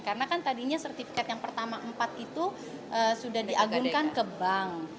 karena kan tadinya sertifikat yang pertama empat itu sudah diagunkan ke bank